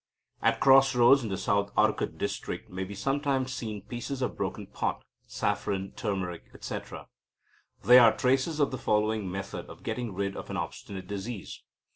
"At cross roads in the South Arcot district may be sometimes seen pieces of broken pot, saffron (turmeric), etc. These are traces of the following method of getting rid of an obstinate disease.